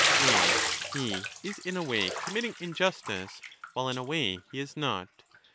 And he is in a way com 1196'' mitting injustice, while in a way he is not.